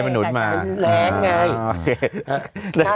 มันแรงไง